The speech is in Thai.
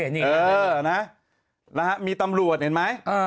นี่จำอ่านะฮะมีตำรวจเห็นไหมอ่า